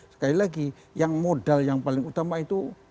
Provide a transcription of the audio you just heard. sekali lagi yang modal yang paling utama itu